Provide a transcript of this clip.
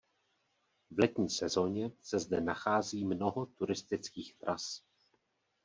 V letní sezóně se zde nachází mnoho turistických tras.